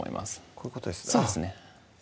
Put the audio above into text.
こういうことですね